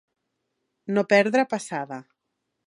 No perdre passada.